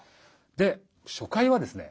で初回はですね